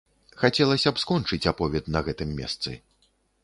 Хацелася б скончыць аповед на гэтым месцы.